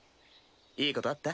いいことあった？